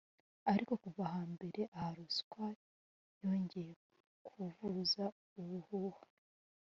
Ariko kuva ahambere aha ruswa yongeye kuvuza ubuhuha